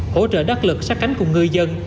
hỗ trợ đắc lực sát cánh cùng người dân